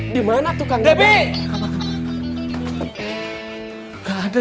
dimana tuh kang dadang